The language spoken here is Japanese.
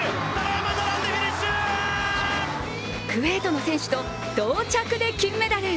クウェートの選手と同着で金メダル。